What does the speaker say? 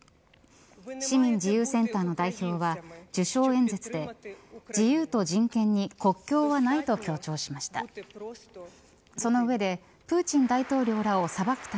市民自由センターの代表は受賞演説で自由と人権に国境はないと強調しました。